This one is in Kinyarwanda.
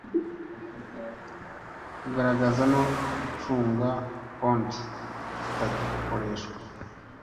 kugaragaza no gucunga konti zitagikoreshwa